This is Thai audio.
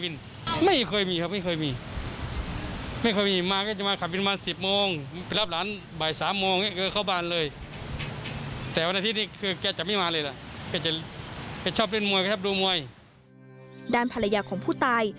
ด้านภรรยาของผู้ตาย